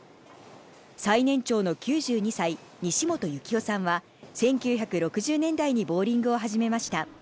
最年長の９２歳、西本行郎さんは１９６０年代にボウリングを始めました。